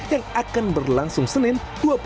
yang akan berlangsung senin dua puluh